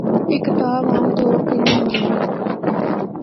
اے کتاب عام طور تے نیں ملدی۔